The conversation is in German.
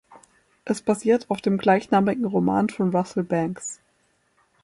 Es basiert auf dem gleichnamigen Roman von Russell Banks.